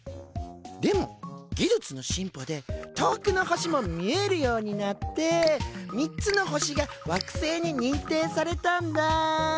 でも技術の進歩で遠くの星も見えるようになって３つの星が惑星ににんていされたんだ。